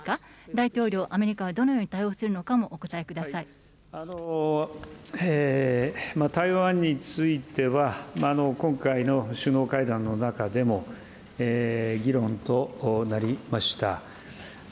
大統領、アメリカはどのように対台湾については、今回の首脳会談の中でも議論となりました。